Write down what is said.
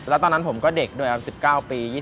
แล้วตอนนั้นผมก็เด็กด้วยครับ๑๙ปี